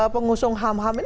pengusung ham ham ini